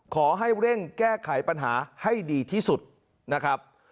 ขอให้เร่งแก้ไขปัญหาให้ดีที่สุดนะครับ